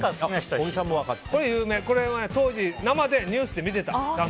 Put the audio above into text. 当時、生でニュースで見ていた。